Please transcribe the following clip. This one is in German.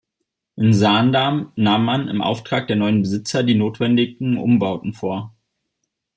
In Zaandam nahm man im Auftrag der neuen Besitzer die notwendigen Umbauten vor.